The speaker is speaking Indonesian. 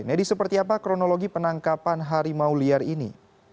nedi seperti apa kronologi penangkapan harimau liar ini